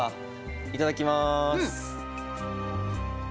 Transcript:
いただきます！